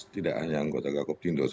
tidak hanya anggota gakop tindo